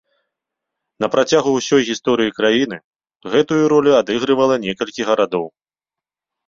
На працягу ўсёй гісторыі краіны, гэтую ролю адыгрывала некалькі гарадоў.